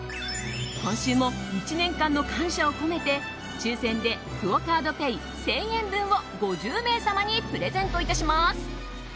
今週も１年間の感謝を込めて抽選でクオ・カードペイ１０００円分を５０名様にプレゼント致します。